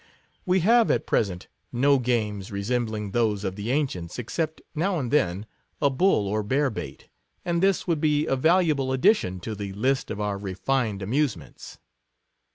We have, at present, no games resembling those of the ancients, except, now and then, a bull 71 or bear bait ; and this would be a valuable addition to the list of our refined amuse ments.